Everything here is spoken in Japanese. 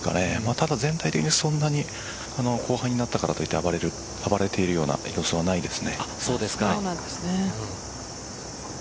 ただ、全体的にそんなに後半になってからといって離れているような様子はないです。